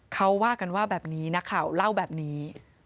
เขาว่ากันว่าแบบนี้นักข่าวเล่าแบบนี้